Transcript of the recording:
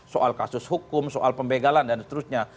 soal kasus hukum soal pembegalan dan seterusnya